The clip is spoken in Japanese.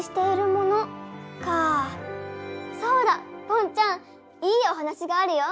ぽんちゃんいいおはなしがあるよ。